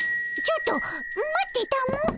ちょっと待ってたも。